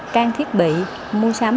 trang thiết bị mua sắm